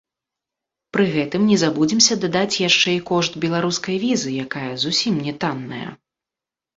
Пры гэтым, не забудземся дадаць яшчэ і кошт беларускай візы, якая зусім не танная!